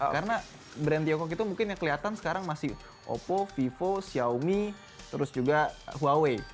karena brand tiongkok itu mungkin yang kelihatan sekarang masih oppo vivo xiaomi terus juga huawei